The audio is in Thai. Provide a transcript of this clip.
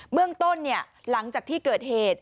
เบื้องต้นหลังจากที่เกิดเหตุ